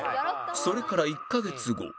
それから１カ月後